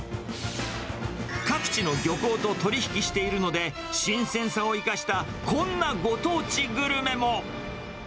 各地の漁港と取り引きしているので、新鮮さを生かしたこんなご当地グルメも。